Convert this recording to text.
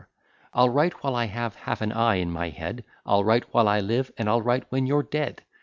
I'll write while I have half an eye in my head; I'll write while I live, and I'll write when you're dead.